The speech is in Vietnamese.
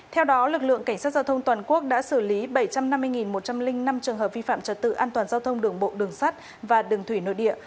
theo đó lực lượng cảnh sát giao thông toàn quốc đã xử lý bảy trăm năm mươi một trăm linh năm trường hợp vi phạm trật tự an toàn giao thông đường bộ đường sắt và đường thủy nội địa